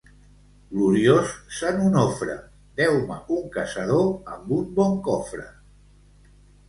Gloriós sant Onofre, deu-me un casador amb un bon cofre.